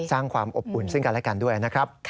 สร้างความอบอุ่นซึ่งกันและกันด้วยนะครับ